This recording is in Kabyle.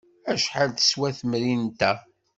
Acḥal teswa temrint-a?